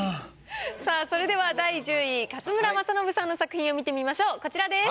さぁそれでは第１０位勝村政信さんの作品を見てみましょうこちらです。